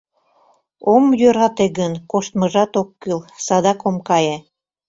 Ом йӧрате гын, коштмыжат ок кӱл — садак ом кае.